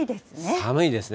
寒いですね。